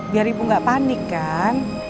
biar ibu nggak panik kan